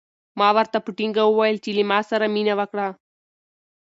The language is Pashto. ما ورته په ټینګه وویل چې له ما سره مینه وکړه.